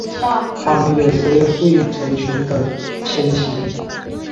它们有时会成群的迁徙。